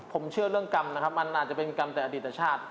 ผมเชื่อเรื่องกรรมนะครับมันอาจจะเป็นกรรมแต่อดีตชาติ